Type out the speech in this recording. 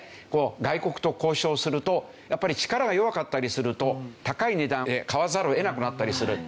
外国と交渉するとやっぱり力が弱かったりすると高い値段で買わざるを得なくなったりする。